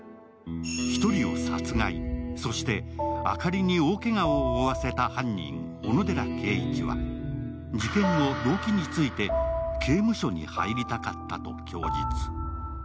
１人を殺害、そして明香里に大けがを負わせた犯人・小野寺圭一は事件後、動機について刑務所に入りたかったと供述。